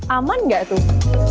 aman nggak tuh